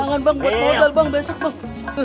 jangan bang buat modal bang besok bang